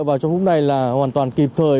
vào trong phút này là hoàn toàn kịp thời